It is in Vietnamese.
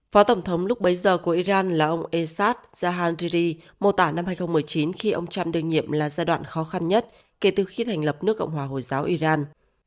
phó tổng thống lúc bấy giờ của iran là ông esat zhahandiri mô tả năm hai nghìn một mươi chín khi ông trump đơn nhiệm là giai đoạn khó khăn nhất kể từ khi thành lập nước cộng hòa hồi giáo iran